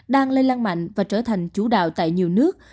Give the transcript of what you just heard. đang lây lan mạnh và trở thành chủ đạo tại nhiều nước